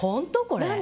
これ。